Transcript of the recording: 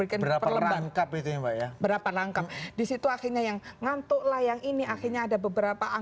kebijakannya vice versa